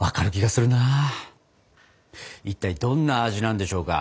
いったいどんな味なんでしょうか？